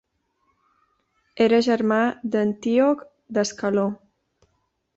Era germà d'Antíoc d'Ascaló.